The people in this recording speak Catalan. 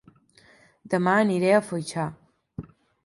Dema aniré a Foixà